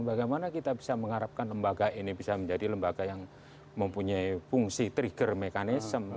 bagaimana kita bisa mengharapkan lembaga ini bisa menjadi lembaga yang mempunyai fungsi trigger mechanism